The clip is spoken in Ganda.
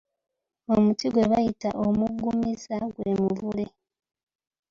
Omuti gwe bayita omuggumiza gwe muvule.